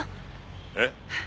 えっ？